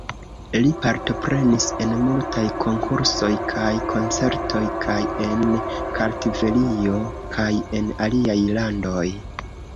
Li partoprenis en multaj konkursoj kaj koncertoj kaj en Kartvelio kaj en aliaj landoj.